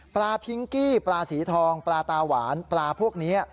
พิงกี้ปลาสีทองปลาตาหวานปลาพวกนี้